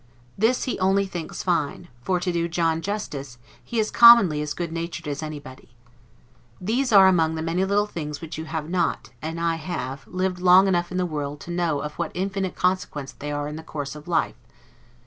This he only thinks fine; for to do John justice, he is commonly as good natured as anybody. These are among the many little things which you have not, and I have, lived long enough in the world to know of what infinite consequence they are in the course of life.